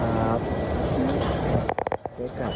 ได้กลับแล้วครับ